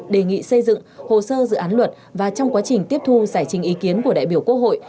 đề nghị xây dựng hồ sơ dự án luật và trong quá trình tiếp thu giải trình ý kiến của đại biểu quốc hội